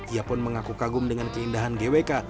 ia pun mengaku kagum dengan keindahan gwk